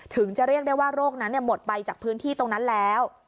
ถึงจะเรียกได้ว่าโรคนั้นหมดไปจากพื้นที่ตรงนั้นแล้ว